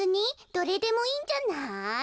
どれでもいいんじゃない？